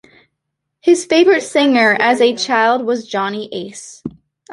His favorite singer as a child was Johnny Ace.